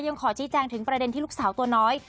ขอชี้แจงถึงประเด็นที่ลูกสาวตัวน้อย